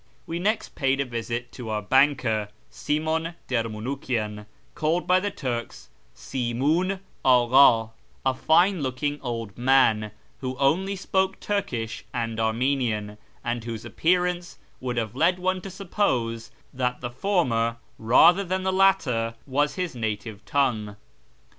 We next paid a visit to our banker, Simon Dermounukian, called by the Turks " Simiin Agha," a fine looking old man, who only spoke Turkish and Armenian, and whose appearance would have led one to suppose that the former rather than the latter was his native tongue.